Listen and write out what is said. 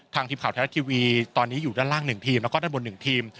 ทีมข่าวไทยรัฐทีวีตอนนี้อยู่ด้านล่าง๑ทีมแล้วก็ด้านบน๑ทีม